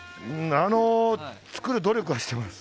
作る努力はしてます。